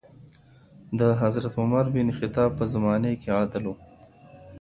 د حضرت عمر بن خطاب په زمانې کي عدل و.